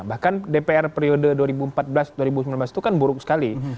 bahkan dpr periode dua ribu empat belas dua ribu sembilan belas itu kan buruk sekali